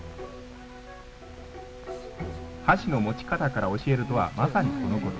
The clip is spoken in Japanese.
箸の持ち方から教えるとはまさにこのこと。